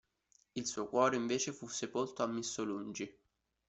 Il suo cuore invece fu sepolto a Missolungi.